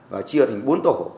và chia thành bốn tổ